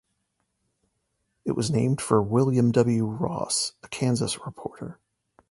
It was named for William W. Ross, a Kansas reporter.